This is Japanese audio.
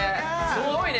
すごいね！